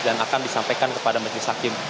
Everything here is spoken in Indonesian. dan akan disampaikan kepada majelis hakim